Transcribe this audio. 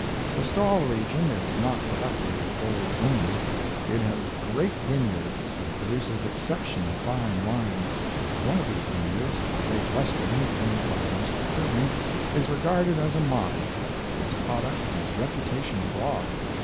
The Stawell region is not productive of gold only; it has great vineyards, and produces exceptionally fine wines. One of these vineyards the Great Western, owned by Mr. Irving is regarded as a model. Its product has reputation abroad.